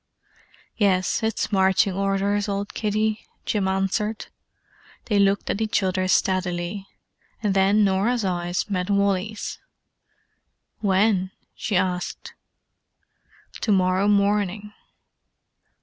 "Yes, it's marching orders, old kiddie," Jim answered. They looked at each other steadily: and then Norah's eyes met Wally's. "When?" she asked. "To morrow morning."